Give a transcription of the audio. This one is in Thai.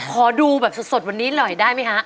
ขอดูแบบสดวันนี้เลยได้มั้ยคะ